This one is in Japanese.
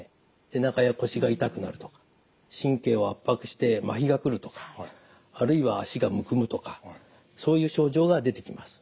背中や腰が痛くなるとか神経を圧迫して麻痺が来るとかあるいは足がむくむとかそういう症状が出てきます。